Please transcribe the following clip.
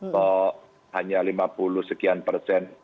kok hanya lima puluh sekian persen